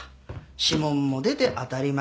指紋も出て当たり前。